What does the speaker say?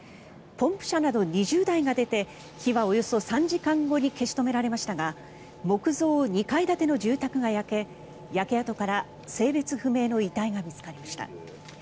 ポンプ車など２０台が出て火はおよそ３時間後に消し止められましたが木造２階建ての住宅が焼け焼け跡から性別不明の遺体が見つかりました。